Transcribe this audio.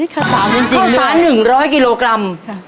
ข้อสารหนึ่งร้อยกิโลกรัม